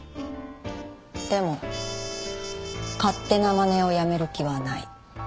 でも勝手なまねをやめる気はない。